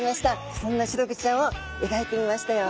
そんなシログチちゃんを描いてみましたよ。